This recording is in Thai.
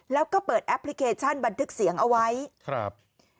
แล้วก็เปิดแอปพลิเคชันบันทึกเสียงเอาไว้ครับ